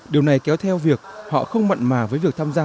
điều này kéo theo việc họ không mặn mà với việc tham gia